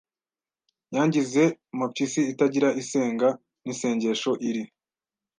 Yangize Mapyisi itagira isenga n' isengesho iri